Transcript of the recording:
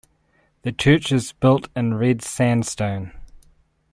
The church is built in red sandstone.